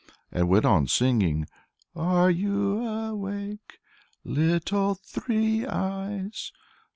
and went on singing, "Are you awake, Little Three Eyes?